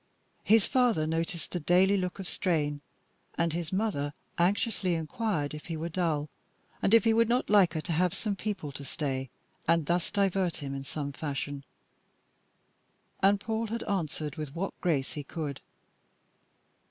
His father noticed the daily look of strain, and his mother anxiously inquired if he were dull, and if he would not like her to have some people to stay, and thus divert him in some fashion. And Paul had answered with what grace he could.